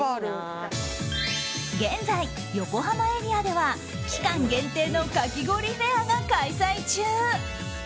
現在、横浜エリアでは期間限定のかき氷フェアが開催中。